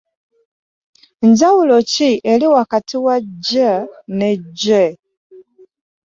Njawulo ki eri wakati jj ne gye ?